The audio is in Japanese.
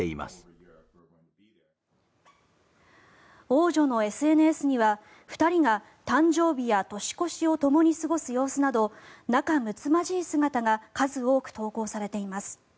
王女のＳＮＳには２人が誕生日や年越しをともに過ごす様子など仲むつまじい姿が数多く投稿されています。